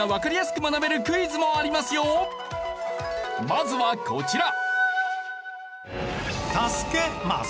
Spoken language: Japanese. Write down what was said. まずはこちら。